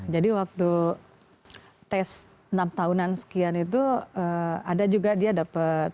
jadi waktu tes enam tahunan sekian itu ada juga dia dapat